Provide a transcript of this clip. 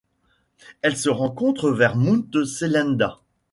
Elle se rencontre vers Mount Selinda.